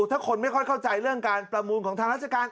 ถ้าคนไม่ค่อยเข้าใจเรื่องการประมูลของทางราชการ